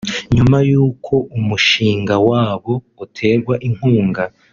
nyuma y’uko umushinga wabo uterwa inkunga